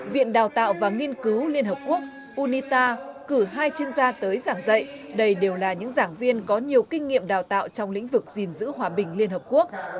viện đào tạo và nghiên cứu liên hợp quốc unita cử hai chuyên gia tới giảng dạy đây đều là những giảng viên có nhiều kinh nghiệm đào tạo trong lĩnh vực gìn giữ hòa bình liên hợp quốc